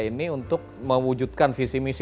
ini untuk mewujudkan visi misi